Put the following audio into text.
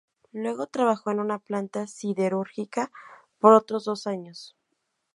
Luego trabajó en una planta siderúrgica por otros dos años.